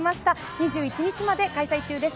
２１日まで開催中です。